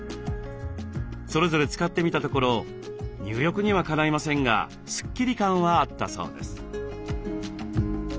それぞれ使ってみたところ入浴にはかないませんがスッキリ感はあったそうです。